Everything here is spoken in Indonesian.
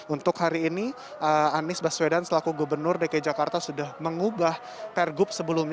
untuk hari ini anies baswedan selaku gubernur dki jakarta sudah mengubah pergub sebelumnya